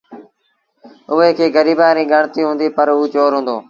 اُئي کي گريبآنٚ ريٚ ڳڻتيٚ هُنٚديٚ پر اوٚ چور هُݩدو۔